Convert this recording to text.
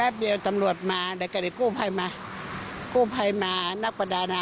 บดีเหตุตรงนี้เจือดบ่อยครับ